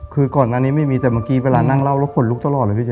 คือก่อนหน้านี้ไม่มีแต่เมื่อกี้เวลานั่งเล่าแล้วขนลุกตลอดเลยพี่แ